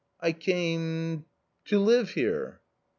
" I came .... to live here."